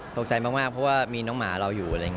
ตกใจมากเพราะว่ามีน้องหมาเราอยู่